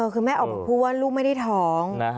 คือแม่ออกมาพูดว่าลูกไม่ได้ท้อง